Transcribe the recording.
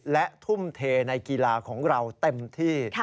และทุ่มเทในกีฬาของเราเต็มที่